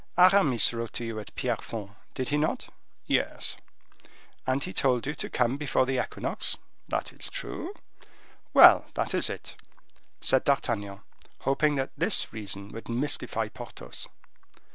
Aramis wrote to you at Pierrefonds, did he not?" "Yes." "And he told you to come before the equinox." "That is true." "Well! that is it," said D'Artagnan, hoping that this reason would mystify Porthos.